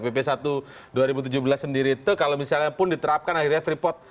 pp satu dua ribu tujuh belas sendiri itu kalau misalnya pun diterapkan akhirnya freeport